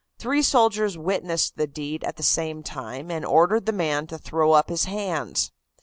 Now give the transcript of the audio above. Three soldiers witnessed the deed at the same time and ordered the man to throw up his hands.